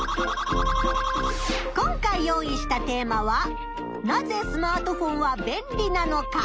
今回用意したテーマは「なぜスマートフォンは便利なのか」。